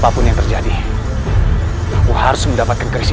apapun yang terjadi aku harus mendapatkan chris itu